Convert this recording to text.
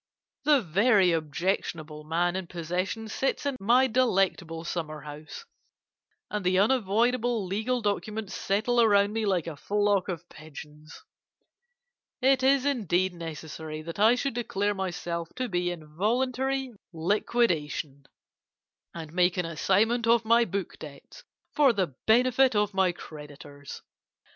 The very objectionable man in possession sits in my delectable summer house, and the unavoidable legal documents settle around me like a flock of pigeons. It is indeed necessary that I should declare myself to be in voluntary liquidation, and make an assignment of my book debts for the benefit of my creditors.